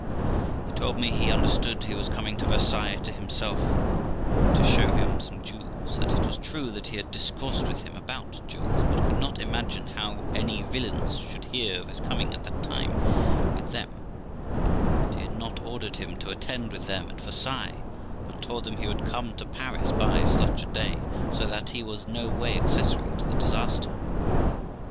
He told me he understood he was coming to Versailles to himself, to show him some jewels ; that it was true that he had discoursed with him about jewels, but could not imagine how any villains should hear of his coming at that time with them ; that he had not ordered him to attend with them at Versailles, but told him that he would come to Paris by such a day, so that he was no way accessory to the disaster.